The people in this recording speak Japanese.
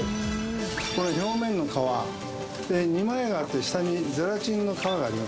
これ表面の皮２枚皮っていう下にゼラチンの皮があります